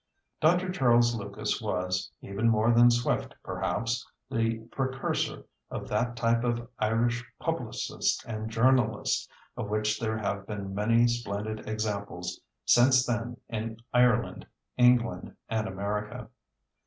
Dr. Charles Lucas was, even more than Swift perhaps, the precursor of that type of Irish publicist and journalist, of which there have been many splendid examples since then in Ireland, England, and America.